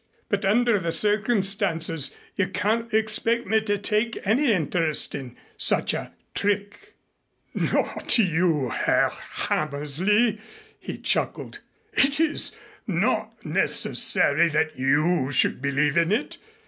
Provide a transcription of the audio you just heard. But under the circumstances you can't expect me to take any interest in such a trick." "Not you, Herr Hammersley," he chuckled. "It is not necessary that you should believe in it.